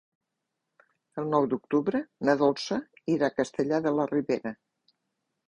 El nou d'octubre na Dolça irà a Castellar de la Ribera.